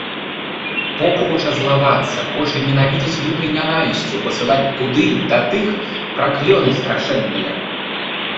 Поп хоча злавацца, хоча ненавідзець лютай нянавісцю, пасылаць туды, да тых, праклёны страшэнныя.